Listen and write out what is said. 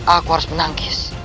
aku harus menangis